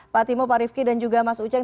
pak timo pak rifki dan juga mas uceng